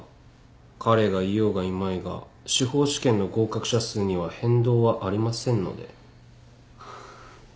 彼がいようがいまいが司法試験の合格者数には変動はありませんので。